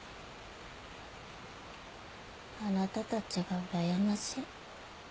あなたたちがうらやましい。